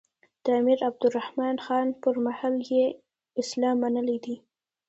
د امیر عبدالرحمان خان پر مهال یې اسلام منلی دی.